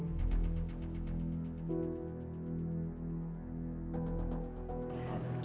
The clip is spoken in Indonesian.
aku yang menanggung semuanya